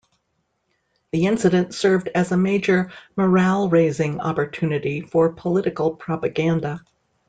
The incident served as a major morale-raising opportunity for political propaganda.